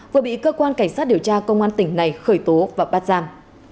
vừa bị cơ quan cảnh sát điều tra công an tỉnh này khởi tố và bắt giam